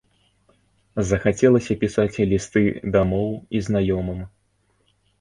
Захацелася пісаць лісты дамоў і знаёмым.